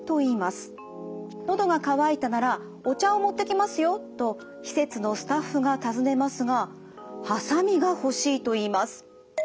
「のどが渇いたならお茶を持ってきますよ」と施設のスタッフが尋ねますがハサミがほしいと言います。